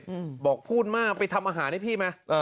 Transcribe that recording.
อืมบอกพูดมากไปทำอาหารให้พี่ไหมเออ